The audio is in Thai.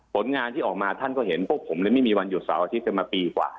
ผลงานที่ออกมาท่านก็เห็นพวกผมไม่มีวันหยุดเสาร์อาทิตย์กันมาปีกว่า